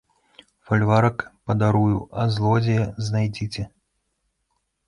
Фальварак падарую, а злодзея знайдзіце!